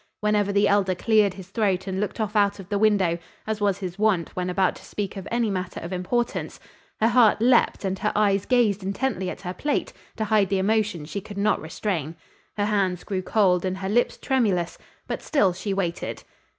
Whenever the Elder cleared his throat and looked off out of the window, as was his wont when about to speak of any matter of importance, her heart leaped and her eyes gazed intently at her plate, to hide the emotion she could not restrain. Her hands grew cold and her lips tremulous, but still she waited.